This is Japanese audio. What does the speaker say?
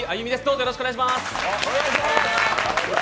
よろしくお願いします。